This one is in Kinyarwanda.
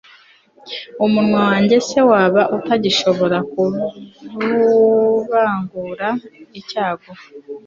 umunwa wanjye se, waba utagishobora kuvangura icyago